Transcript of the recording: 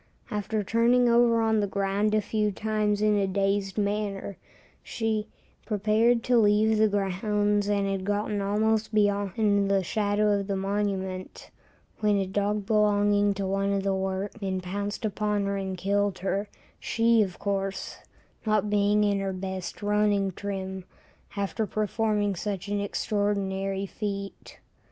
After turning over on the ground a few times in a dazed manner, she prepared to leave the grounds and had gotten almost beyond the shadow of the monument, when a dog belonging to one of the workmen pounced upon her and killed her, she, of course, not being in her best running trim, after performing such an extraordinary feat.